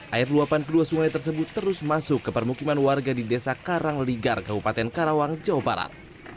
air luapan kedua sungai tersebut terus masuk ke permukiman warga di desa karangligar kabupaten karawang jawa barat